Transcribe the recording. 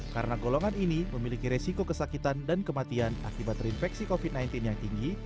karena golongan ini memiliki resiko kesakitan dan kematian akibat terinfeksi covid sembilan belas yang tinggi